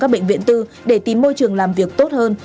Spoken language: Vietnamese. các bệnh viện tư để tìm môi trường làm việc tốt hơn